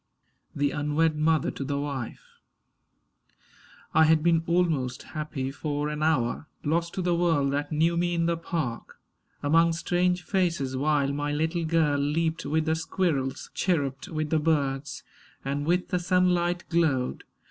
THE UNWED MOTHER TO THE WIFE I HAD been almost happy for an hour, Lost to the world that knew me in the park Among strange faces; while my little girl Leaped with the squirrels, chirruped with the birds And with the sunlight glowed.